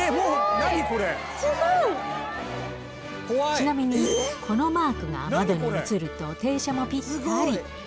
ちなみに、このマークが窓に映ると、停車もぴったり。